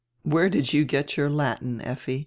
"Where did you get your Latin, Effi?"